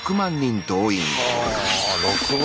６万！